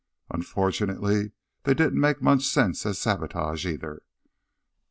Unfortunately, they didn't make much sense as sabotage, either.